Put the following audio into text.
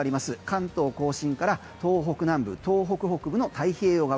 関東甲信から東北南部東北北部の太平洋側